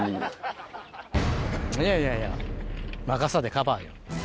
いやいやいや若さでカバーよ。